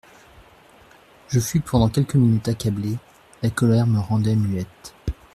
Je fus pendant quelques minutes accablée ; la colère me rendait muette.